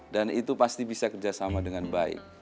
dan itu pasti bisa kerjasama dengan baik